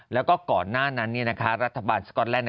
แล้วก็ก่อนหน้านั้นรัฐบาลสก๊อตแลนด